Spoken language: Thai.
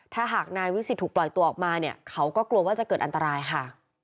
ถ้าหากนายวิสิตถูกปล่อยตัวออกมาเนี่ยเขาก็กลัวว่าจะเกิดอันตรายค่ะ